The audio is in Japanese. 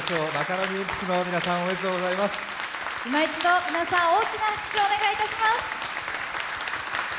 今一度皆さん大きな拍手をお願いします。